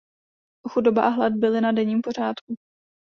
Chudoba a hlad byly na denním pořádku.